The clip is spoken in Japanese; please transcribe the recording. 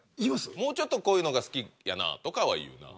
「もうちょっとこういうのが好きやな」とかは言うな。